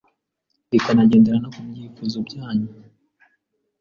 Bikanagendera no ku byifuzo byanyu